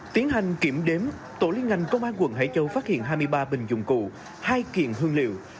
tiến hành kiểm đếm tổ liên ngành công an quận hải châu phát hiện hai mươi ba bình dụng cụ hai kiện hương liệu